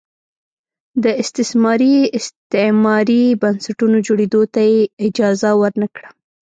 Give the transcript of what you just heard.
د استثماري استعماري بنسټونو جوړېدو ته یې اجازه ور نه کړه.